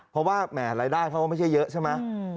เพราะว่ารายด้านเขาไม่ใช่เยอะใช่ไหม